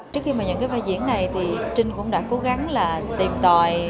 trước khi mà nhận cái vai diễn này thì trinh cũng đã cố gắng là tìm tòi